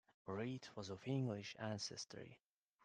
Rhett was of English ancestry.